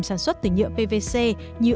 sản xuất từ nhựa pvc như